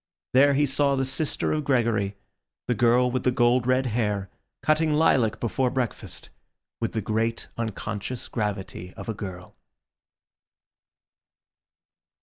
There he saw the sister of Gregory, the girl with the gold red hair, cutting lilac before breakfast, with the great unconscious gravity of a girl.